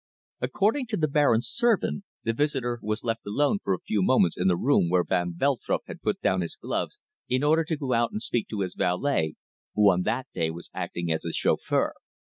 "According to the Baron's servant the visitor was left alone for a few moments in the room where van Veltrup had put down his gloves in order to go out and speak to his valet, who on that day was acting as his chauffeur.